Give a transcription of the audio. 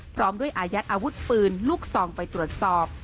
พร้อมด้วยอายัดอาวุธปืนลูกซองไปตรวจสอบ